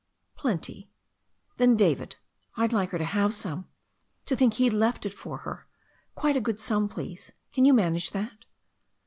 "Plenty." "Then, David, I'd like her to have some, to think he left it to her, quite a good sum, please. Can you manage that?"